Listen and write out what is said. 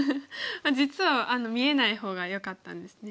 実は見えない方がよかったんですね。